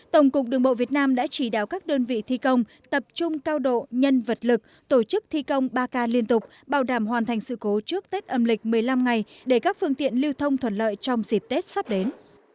tổng cục đường bộ việt nam đã chỉ đạo các đơn vị thi công tập trung cao độ nhân vật lực tổ chức thi công ba k liên tục bảo đảm hoàn thành sự cố trước tết âm lịch một mươi năm ngày để các phương tiện lưu thông thuận lợi trong dịp tết sắp đến